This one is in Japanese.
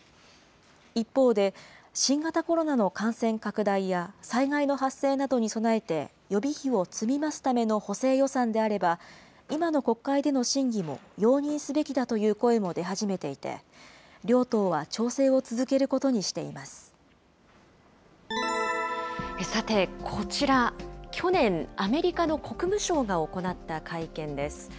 一方で、新型コロナの感染拡大や、災害の発生などに備えて予備費を積み増すための補正予算であれば、今の国会での審議も容認すべきだという声も出始めていて、両党はさて、こちら、去年、アメリカの国務省が行った会見です。